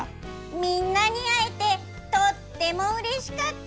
みんなに会えてとってもうれしかった！